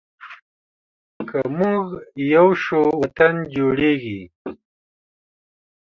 که مونږ یو شو، وطن جوړیږي.